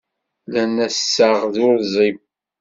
Lan assaɣ d urẓim.